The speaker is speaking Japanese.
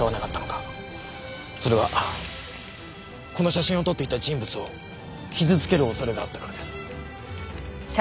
それはこの写真を撮っていた人物を傷つける恐れがあったからです。